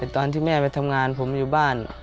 ตอนที่แม่ไปทำงานผมอยู่บ้าน